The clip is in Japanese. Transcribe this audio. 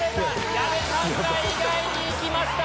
矢部さんが意外に行きました。